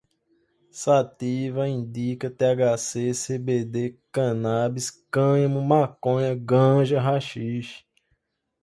sativa, indica, thc, cbd, canábis, cânhamo, maconha, ganja, haxixe